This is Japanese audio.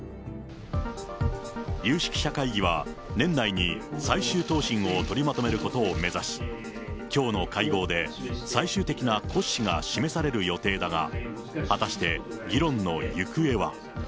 有識者会議は、年内に最終答申を取りまとめることを目指し、きょうの会合で最終的な骨子が示される予定だが、果たして議論の行方は。